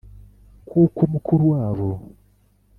kuko mukuru wabo